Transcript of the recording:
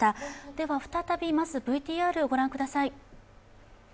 では再びまずＶＴＲをご覧ください。